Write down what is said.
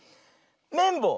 めんぼう。